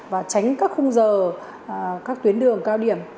và tránh các khung giờ các tuyến đường cao điểm